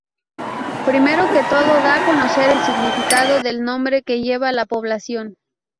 Primero que todo da a conocer el significado del nombre que lleva la población.